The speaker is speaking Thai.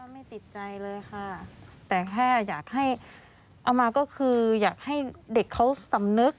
ไม่ติดใจเลยค่ะแต่แค่อยากให้เอามาก็คืออยากให้เด็กเขาสำนึก